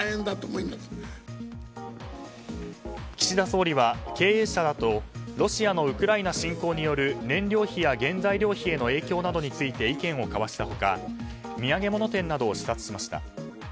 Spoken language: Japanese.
岸田総理は経営者らとロシアのウクライナ侵攻による燃料費や原材料費への影響などについて意見を交わした他土産物店などを視察しました。